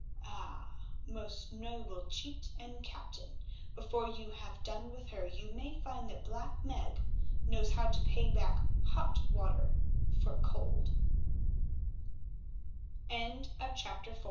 Ah! most noble cheat and captain, before you have done with her you may find that Black Meg knows how to pay back hot water for col